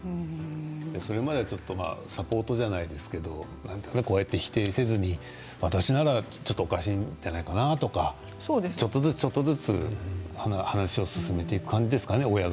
それまでは、ずっとサポートではないですけれど否定せずに私なら、ちょっとおかしいんじゃないかなと、ちょっとずつ話を進めていく感じですかね。